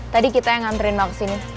tadi kita yang ngantriin lo ke sini